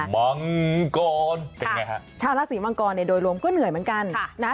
มังกรเป็นไงฮะชาวราศีมังกรเนี่ยโดยรวมก็เหนื่อยเหมือนกันนะฮะ